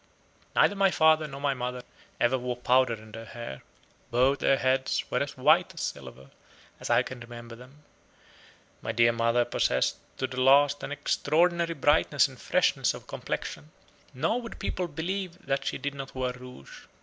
Neither my father nor my mother ever wore powder in their hair; both their heads were as white as silver, as I can remember them. My dear mother possessed to the last an extraordinary brightness and freshness of complexion; nor would people believe that she did not wear rouge.